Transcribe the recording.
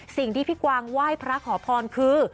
สิ่งที่พี่กวางไหว้พระขอพรคือ